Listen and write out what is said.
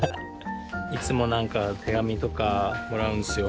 いつも何か手紙とかもらうんですよ。